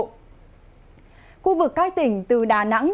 khu vực các tỉnh từ đà nẵng